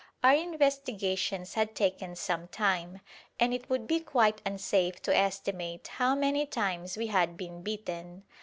Our investigations had taken some time, and it would be quite unsafe to estimate how many times we had been bitten.